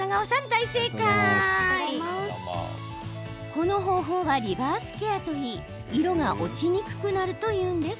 この方法はリバースケアといい色が落ちにくくなるというんです。